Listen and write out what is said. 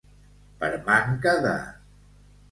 Per manca de.